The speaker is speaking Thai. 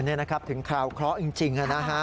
นี่นะครับถึงคราวเคราะห์จริงนะฮะ